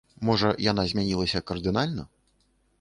Можа, яна змянілася кардынальна?